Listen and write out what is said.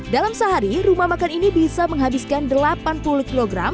dalam sehari rumah makan ini bisa menghabiskan delapan puluh kg sampai satu kuintal daging sapi